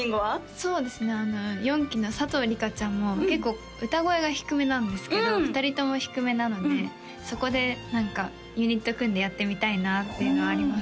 そうですね４期の佐藤璃果ちゃんも結構歌声が低めなんですけど２人とも低めなのでそこで何かユニット組んでやってみたいなっていうのはあります